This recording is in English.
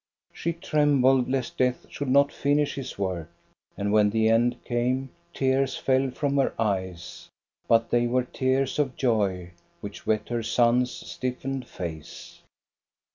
She trembled lest Death should not finish his work ; and when the end came, tears fell from her eyes, but they were tears of joy which wet her son's stiffened face.